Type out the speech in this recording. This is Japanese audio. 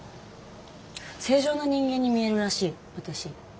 正常な人間に見えるらしい私。